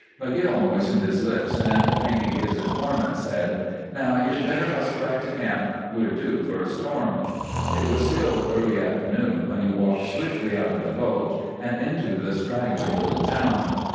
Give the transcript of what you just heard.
McGill moistened his lips and, thanking his informant, said, "Now you'd better hustle back to camp; we're due for a storm." It was still early afternoon when he walked swiftly out of the gulch and into the straggling little town.